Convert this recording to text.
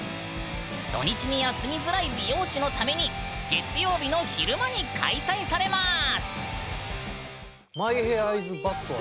土日に休みづらい美容師のために月曜日の昼間に開催されます！